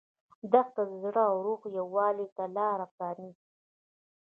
دښته د زړه او روح یووالي ته لاره پرانیزي.